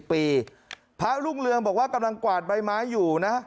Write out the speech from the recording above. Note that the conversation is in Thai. พระรุ่งเรืองบอกว่ากำลังกวาดใบไม้อยู่นะ